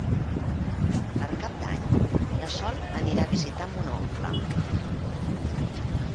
Per Cap d'Any na Sol anirà a visitar mon oncle.